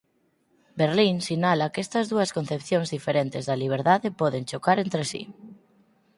Berlin sinala que estas dúas concepcións diferentes da liberdade poden chocar entre si.